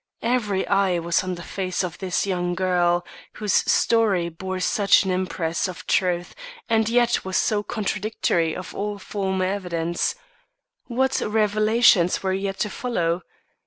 Every eye was on the face of this young girl, whose story bore such an impress of truth, and yet was so contradictory of all former evidence. What revelations were yet to follow.